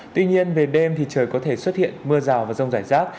tuy nhiên về đêm thì trời có thể xuất hiện mưa rào và rông rải rác